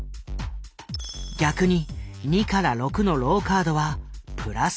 逆に２から６のローカードは＋１。